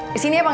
disini ya bang